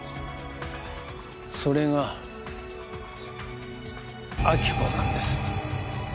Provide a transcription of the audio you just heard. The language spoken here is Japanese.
それが亜希子なんです。